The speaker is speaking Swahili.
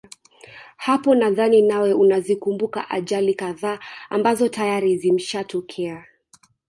Hapo nadhani nawe unazikumbuka ajali kadhaa ambazo tayari zimshatokea